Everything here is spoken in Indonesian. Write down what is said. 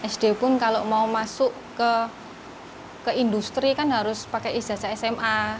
sd pun kalau mau masuk ke industri kan harus pakai ijazah sma